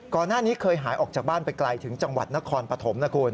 ก่อนหน้านี้เคยหายออกจากบ้านไปไกลถึงจังหวัดนครปฐมนะคุณ